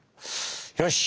よし！